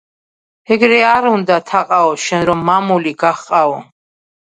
გრე არ უნდა, თაყაო, შენ რომ მამული გაჰყაო.